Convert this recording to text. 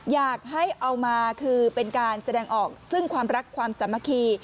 อยากให้เอามาคือเป็นการแสดงออกซึ่งความรักความสามัคคี